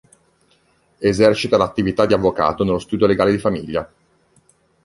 Esercita l'attività di avvocato nello studio legale di famiglia.